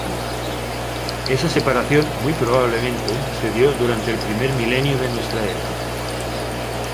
Esa separación muy probablemente se dio durante el primer milenio de nuestra era.